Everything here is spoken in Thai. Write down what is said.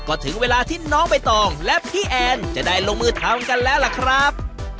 ก็ถึงเวลาที่น้องใบตองและพี่แอนจะได้ลงมือทำกันแล้วล่ะครับ